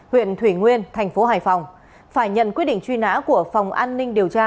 huyện thủy nguyên thành phố hải phòng phải nhận quyết định truy nã của phòng an ninh điều tra